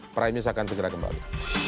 prime news akan segera kembali